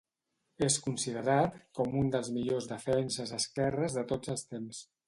És considerat com un dels millors defenses esquerres de tots els temps.